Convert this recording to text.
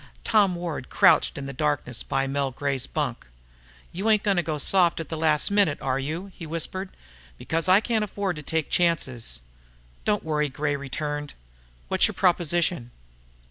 Tom Ward crouched in the darkness by Mel Gray's bunk. "You ain't gonna go soft at the last minute, are you?" he whispered. "Because I can't afford to take chances." "Don't worry," Gray returned grimly. "What's your proposition?"